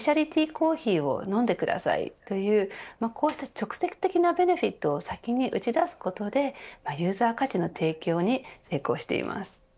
コーヒーを飲んでくださいという直接的なベネフィットを先に打ち出すことでユーザー価値の提供に成功しています。